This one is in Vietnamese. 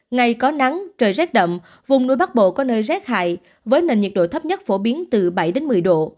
ngày có nắng trời rét đậm vùng núi bắc bộ có nơi rét hại với nền nhiệt độ thấp nhất phổ biến từ bảy một mươi độ